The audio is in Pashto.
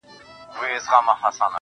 سپوږمۍ په لپه کي هغې په تماشه راوړې